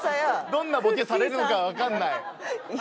どんなボケされるのかわかんない。